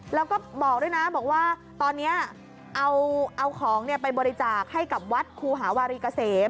แล้วก็บอกด้วยนะบอกว่าตอนนี้เอาของไปบริจาคให้กับวัดครูหาวารีเกษม